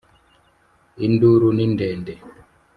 Induru ni ndende